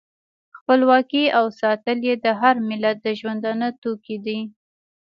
خپلواکي او ساتل یې د هر ملت د ژوندانه توکی دی.